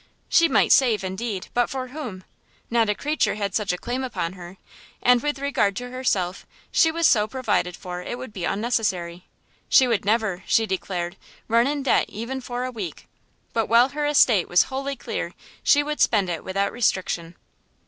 She might save indeed, but for whom? not a creature had such a claim upon her; and with regard to herself, she was so provided for it would be unnecessary. She would never, she declared, run in debt even for a week, but while her estate was wholly clear, she would spend it without restriction.